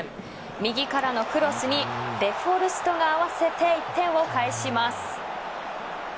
右からのクロスにヴェフホルストが合わせて１点を返します。